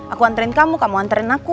aku nganterin kamu kamu nganterin aku